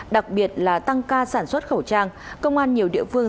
đặc biệt là tăng ca sản xuất khẩu trang công an nhiều địa phương